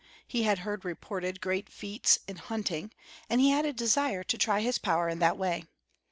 He had heard reported great feats in hunting, and he had a desire to try his power in that way.